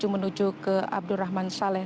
menuju ke abdurrahman saleh